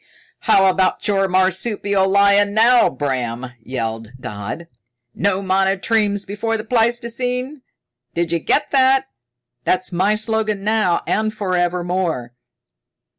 "How about your marsupial lion now, Bram?" yelled Dodd. "No monotremes before the pleistocene! D'you get that? That's my slogan now and for ever more!"